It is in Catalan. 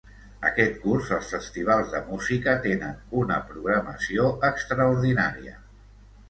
Aquest curs els festivals de Música tenen una programació extraordinària.